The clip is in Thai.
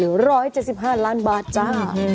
หรือ๑๗๕ล้านบาทจ้า